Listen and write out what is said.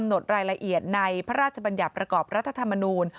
ในพระราชบัญญาประกอบรัฐธรรมนูญ